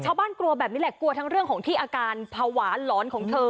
กลัวแบบนี้แหละกลัวทั้งเรื่องของที่อาการภาวะหลอนของเธอ